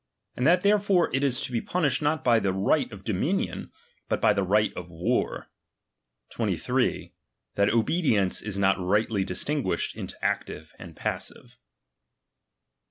And that therefore it is to be punished not by the right of dominion, but by the right of war. 23. That obedience is not rightly distinguished into active and passive.